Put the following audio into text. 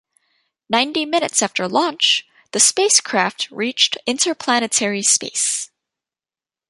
Ninety minutes after launch, the spacecraft reached interplanetary space.